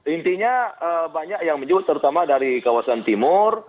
intinya banyak yang menyebut terutama dari kawasan timur